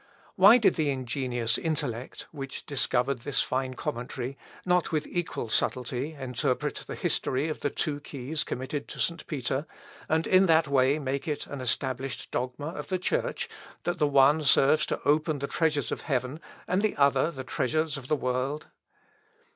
Why did the ingenious intellect which discovered this fine commentary, not with equal subtlety interpret the history of the two keys committed to St. Peter, and in that way make it an established dogma of the Church, that the one serves to open the treasures of heaven, and the other the treasures of the world." Ibid.